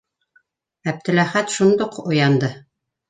- Әптеләхәт шундуҡ уянды.